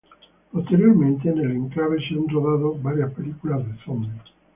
Posteriormente, en el enclave se han rodado varias películas de zombis.